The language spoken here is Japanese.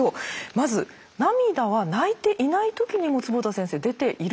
まず涙は泣いていない時にも坪田先生出ているんですか？